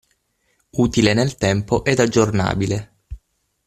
Utile nel tempo ed aggiornabile.